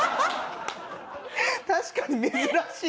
確かに珍しい。